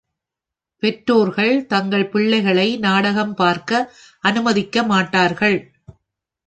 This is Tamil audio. பெற்றோர்கள் தங்கள் பிள்ளைகளை நாடகம் பார்க்க அனுமதிக்கமாட்டார்கள்.